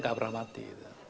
gak pernah mati